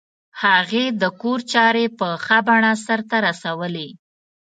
هغې د کور چارې په ښه بڼه سرته رسولې